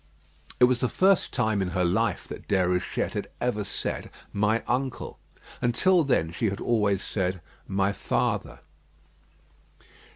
It was the first time in her life that Déruchette had ever said "my uncle." Until then she had always said "my father."